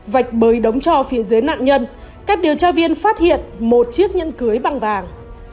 vạch bới đống cho phía dưới nạn nhân các điều tra viên phát hiện một chiếc nhẫn cưới băng vàng